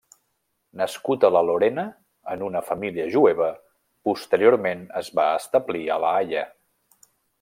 Nascut a la Lorena en una família jueva, posteriorment es va establir a la Haia.